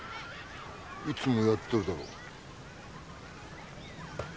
いつもやってるだろ。